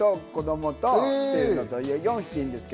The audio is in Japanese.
４匹ですか？